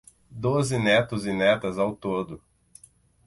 Doze netos e netas ao todo